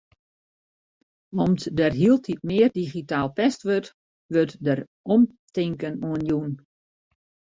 Om't der hieltyd mear digitaal pest wurdt, wurdt dêr omtinken oan jûn.